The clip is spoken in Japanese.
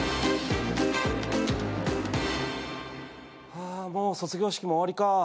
はぁもう卒業式も終わりか。